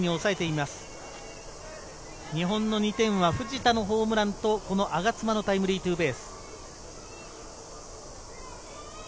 日本の２点は藤田のホームランと我妻のタイムリーツーベース。